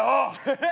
えっ！